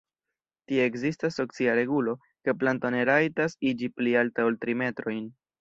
Tie ekzistas socia regulo, ke planto ne rajtas iĝi pli alta ol tri metrojn.